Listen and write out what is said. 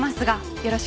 よろしく！